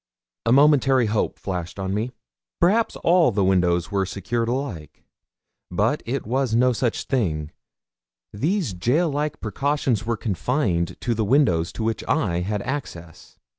A momentary hope flashed on me perhaps all the windows were secured alike! But it was no such thing: these gaol like precautions were confined to the windows to which I had access.